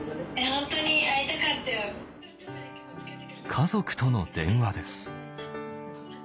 家族との電話です